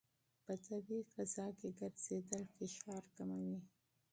په طبیعي فضا کې ګرځېدل فشار کموي.